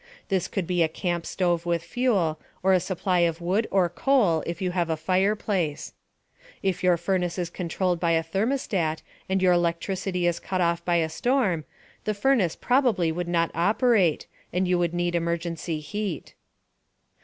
This could be a camp stove with fuel, or a supply of wood or coal if you have a fireplace. If your furnace is controlled by a thermostat and your electricity is cut off by a storm, the furnace probably would not operate and you would need emergency heat.